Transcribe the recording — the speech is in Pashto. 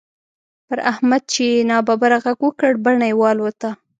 پر احمد چې يې ناببره غږ وکړ؛ بڼه يې والوته.